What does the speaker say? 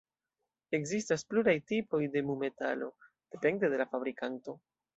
Ekzistas pluraj tipoj de mu-metalo, depende de la fabrikanto.